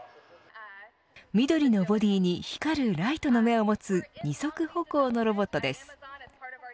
緑のボディに光るライトの目を持つ２足歩行のロボットです。